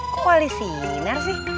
kok wali sinar sih